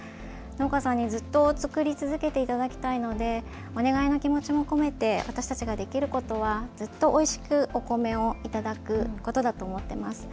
農家さんにずっと作り続けていただきたいのでお願いの気持ちも込めて私たちができることはずっとおいしくお米を頂くことだと思っています。